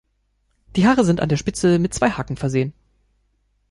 Die Haare sind an der Spitze mit zwei Haken versehen.